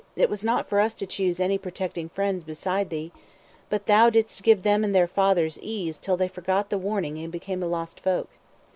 it was not for us to choose any protecting friends beside thee; but Thou didst give them and their fathers ease till they forgot the warning and became lost folk.